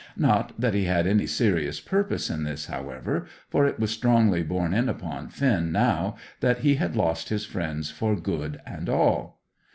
Not that he had any serious purpose in this, however, for it was strongly borne in upon Finn now that he had lost his friends for good and all.